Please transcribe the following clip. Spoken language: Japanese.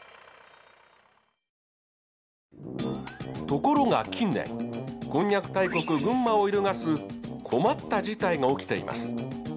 ところが近年こんにゃく大国群馬を揺るがす困った事態が起きています。